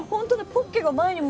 ポッケが前にも。